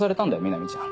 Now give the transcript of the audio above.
南ちゃん。